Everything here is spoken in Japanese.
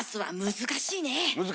難しいねえ！